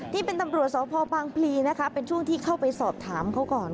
นี่เป็นตำรวจสพบางพลีนะคะเป็นช่วงที่เข้าไปสอบถามเขาก่อน